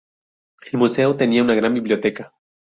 El museo tenía una gran biblioteca.